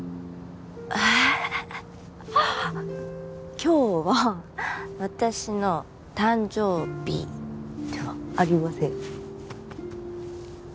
今日は私の誕生日ではありません。